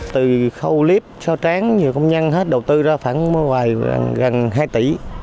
từ khâu líp sao tráng nhiều công nhân hết đầu tư ra khoảng gần hai tỷ